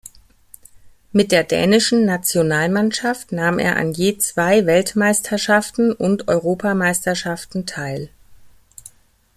Mit der dänischen Nationalmannschaft nahm er an je zwei Weltmeisterschaften und Europameisterschaften teil.